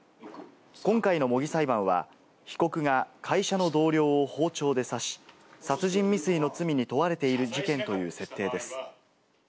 今回の模擬裁判は、被告が会社の同僚を包丁で刺し、殺人未遂の罪に問われている事件という設定です。